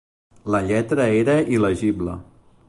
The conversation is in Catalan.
La lletra era il·legible.